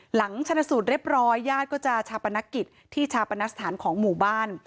หลังชนสูตรเรียบร้อยญาติก็จะชาปนกิจที่ชาปนสถานของหมู่บ้าน